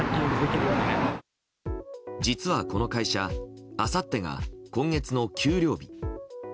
実は、この会社あさってが今月の給料日。